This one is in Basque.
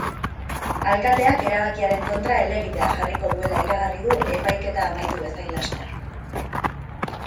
Alkateak erabakiaren kontra helegitea jarriko duela iragarri du epaiketa amaitu bezain laster.